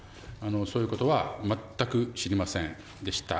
そういうことは全く知りませんでした。